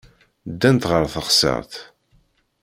Ddant ɣer teɣsert.